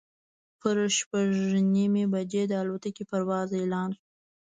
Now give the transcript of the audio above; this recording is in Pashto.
پر شپږ نیمې بجې د الوتکې پرواز اعلان شو.